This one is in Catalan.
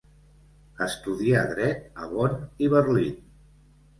Estudià dret a Bonn i Berlín.